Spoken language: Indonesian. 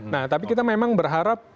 nah tapi kita memang berharap